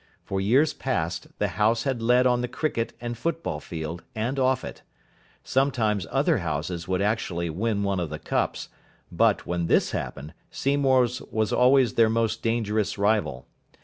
For years past the house had led on the cricket and football field and off it. Sometimes other houses would actually win one of the cups, but, when this happened, Seymour's was always their most dangerous rival.